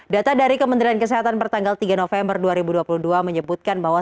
data dari kementerian kesehatan pertanggal tiga november dua ribu dua puluh dua menyebutkan bahwa